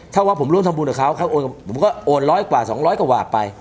ถ้าว่าผมร่วมทำบุญกับเขาผมก็โอน๑๐๐กว่า๒๐๐กว่าไป